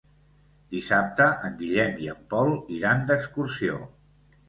Dissabte en Guillem i en Pol iran d'excursió.